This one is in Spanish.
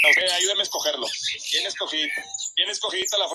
Riverside se encuentra al sur de Barton.